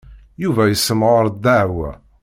Yuba yessemɣer ddeɛwa.